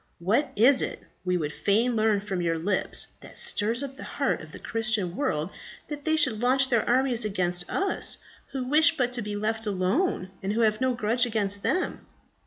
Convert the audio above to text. What is it, we would fain learn from your lips, that stirs up the heart of the Christian world that they should launch their armies against us, who wish but to be left alone, and who have no grudge against them?